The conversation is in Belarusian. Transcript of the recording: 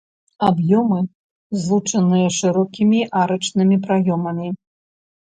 Аб'ёмы злучаныя шырокімі арачнымі праёмамі.